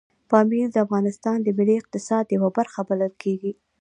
پامیر د افغانستان د ملي اقتصاد یوه برخه بلل کېږي.